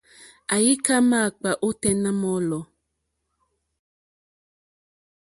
Àyíkâ máǎkpà ôténá mɔ̌lɔ̀.